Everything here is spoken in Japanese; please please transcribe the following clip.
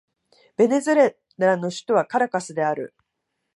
ベネズエラの首都はカラカスである